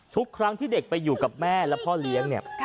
ทุกครั้งที่เด็กไปอยู่กับแม่และพ่อเลี้ยงเนี่ย